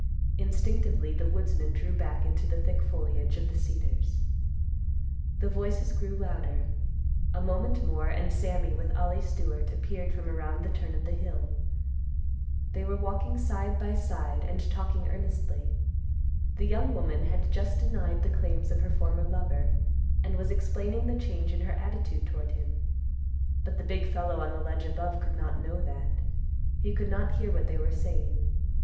Instinctively the woodsman drew back into the thick foliage of the cedars. The voices grew louder. A moment more and Sammy with Ollie Stewart appeared from around the turn of the hill. They were walking side by side and talking earnestly. The young woman had just denied the claims of her former lover, and was explaining the change in her attitude toward him; but the big fellow on the ledge above could not know that. He could not hear what they were saying.